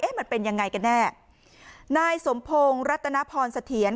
มันเป็นยังไงกันแน่นายสมพงศ์รัตนพรเสถียร